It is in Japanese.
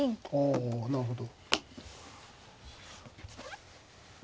あなるほど。